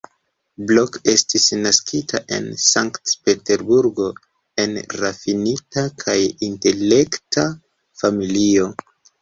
Blok estis naskita en Sankt-Peterburgo en rafinita kaj intelekta familio.